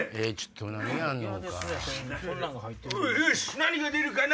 何が出るかな？